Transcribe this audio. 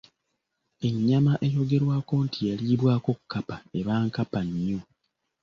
Ennyama eyogerwako nti yaliibwako kkapa eba nkapa nnyo.